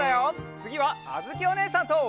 つぎはあづきおねえさんと。